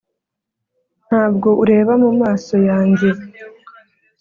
ntabwo ureba mu maso yanjye,